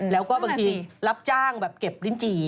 แล้วก็บางทีรับจ้างแบบเก็บลิ้นจี่